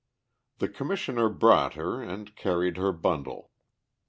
The Commissioner brought her, and carried her bundle.